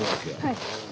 はい。